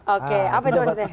oke apa itu mbak deddy